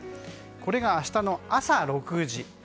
これが明日の朝６時。